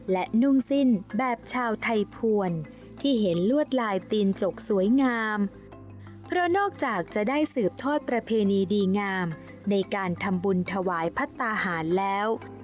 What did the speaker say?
และนุ่งสิ้นแบบชาวไทยภวรที่เห็นลวดลายตีนจกสวยงามเพราะนอกจากจะได้สืบทอดประเพณีดีงามในการทำบุญถวายพัฒนาหารแล้ว